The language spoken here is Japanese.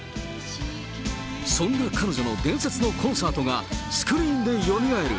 そんな彼女の伝説のコンサートがスクリーンでよみがえる。